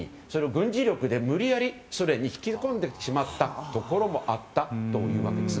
それを軍事力で無理やりソ連に引き込んでしまったこともあったと。